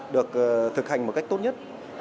để thực hành một cách tốt nhất